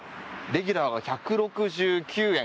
レギュラーが１６９円。